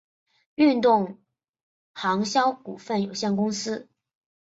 运动行销股份有限公司